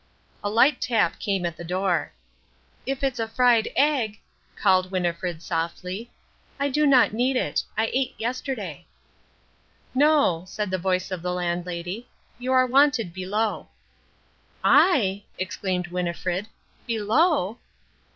A light tap came at the door. "If it's a fried egg," called Winnifred softly, "I do not need it. I ate yesterday." "No," said the voice of the Landlady. "You are wanted below." "I!" exclaimed Winnifred, "below!"